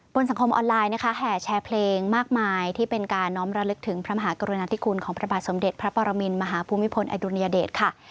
สังคมออนไลน์นะคะแห่แชร์เพลงมากมายที่เป็นการน้อมระลึกถึงพระมหากรุณาธิคุณของพระบาทสมเด็จพระปรมินมหาภูมิพลอดุลยเดชค่ะ